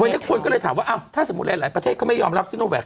วันนี้ควรก็เลยถามว่าอ้าวถ้าสมมุติหลายหลายประเทศก็ไม่ยอมรับซีโนแวค